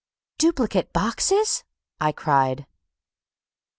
"Duplicate boxes!" I cried.